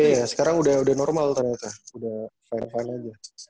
iya sekarang udah normal ternyata udah fine fine aja